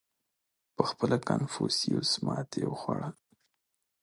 • پهخپله کنفوسیوس ماتې وخوړه.